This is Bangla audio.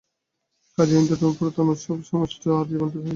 কাজেই হিন্দুধর্মের পুরাতন উৎসবানুষ্ঠানাদি আর জীবন্ত হয়ে ফিরে এল না।